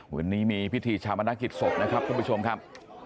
วันนี้มีพิธีชาวประนักกิจศพนะครับคุณผู้ชมครับ